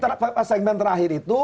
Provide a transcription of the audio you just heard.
karena pertanyaan terakhir itu